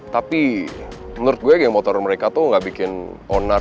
tapi menurut gue geng motor mereka tuh gak bikin onar